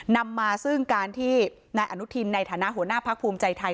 นำมาซึ่งการที่นายอนุทินในฐานะหัวหน้าพักภูมิใจไทย